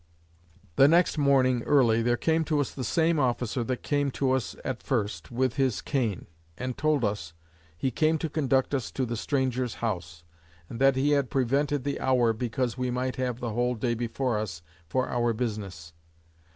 The next morning early, there came to us the same officer that came to us at first with his cane, and told us, He came to conduct us to the Strangers' House; and that he had prevented the hour, because we might have the whole day before us, for our business.